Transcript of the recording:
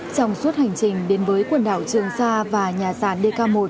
trong suốt hành trình đến với quần đảo trường sa và nhà sàn dk một